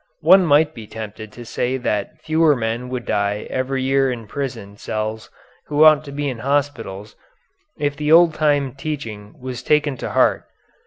One might be tempted to say that fewer men would die every year in prison cells who ought to be in hospitals, if the old time teaching was taken to heart.